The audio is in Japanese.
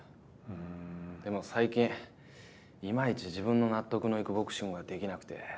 でも最近いまいち自分の納得のいくボクシングができなくて。